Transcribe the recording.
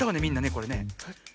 これね。